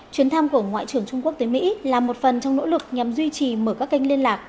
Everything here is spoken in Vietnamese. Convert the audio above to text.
chuyến thăm của ngoại trưởng trung quốc tới mỹ là một phần trong nỗ lực nhằm duy trì mở các kênh liên lạc